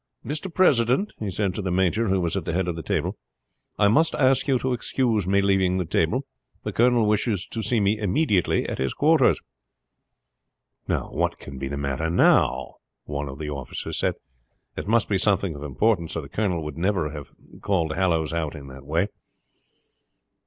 "Mr. President," he said to the major who was at the head of the table, "I must ask you to excuse me leaving the table. The colonel wishes to see me immediately at his quarters." "What can be the matter now?" one of the officers said. "It must be something of importance or the colonel would never have called Hallowes out in that way."